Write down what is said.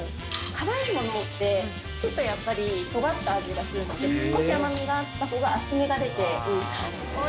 辛いものってちょっとやっぱりとがった味がするので少し甘みがあったほうが厚みが出ておいしくなる。